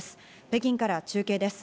北京から中継です。